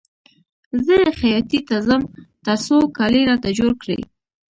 زه خیاطۍ ته ځم تر څو کالي راته جوړ کړي